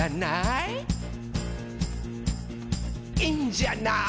「いいんじゃない？」